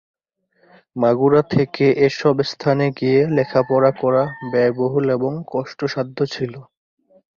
মাগুরা থেকে এ সব স্থানে গিয়ে লেখাপড়া করা ব্যয়বহুল এবং কষ্টসাধ্য ছিল।